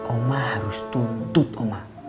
omah harus tuntut omah